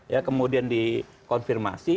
ya kemudian dikonfirmasi